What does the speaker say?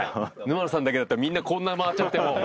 沼野さんだけだったらみんなこんな回っちゃってもう。